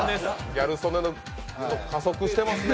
ギャル曽根、加速してますね